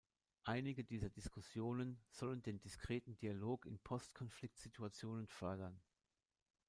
Einige dieser Diskussionen sollen den diskreten Dialog in post-Konflikt Situationen fördern.